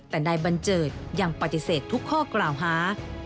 แต่นายบัญเจิดยังปฏิเสธทุกข้อกล่าวหา